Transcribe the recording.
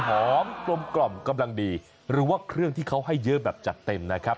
หรือว่าเครื่องที่เขาให้เยอะแบบจัดเต็มนะครับ